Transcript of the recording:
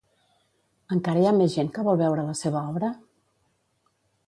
Encara hi ha més gent que vol veure la seva obra?